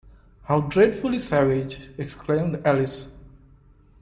‘How dreadfully savage!’ exclaimed Alice.